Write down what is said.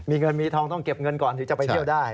มีเงินมีทองต้องเก็บเงินก่อนถึงจะไปเที่ยวได้